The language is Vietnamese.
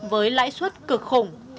với lãi suất cực khủng